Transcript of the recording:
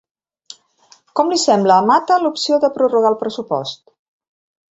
Com li sembla a Mata l'opció de prorrogar el pressupost?